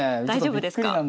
大丈夫ですか？